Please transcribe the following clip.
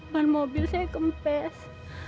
bahan mobil saya kempes